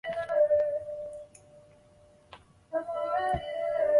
前进党的成立是利库德集团作为以色列两个主要政党之一地位的重大挑战。